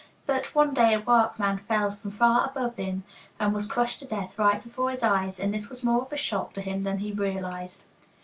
But one day a workman fell from far above him and was crushed to death right before his eyes, and this was more of a shock to him than he realized.